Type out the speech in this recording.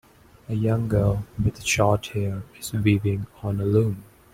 A young girl with short hair is weaving on a loom.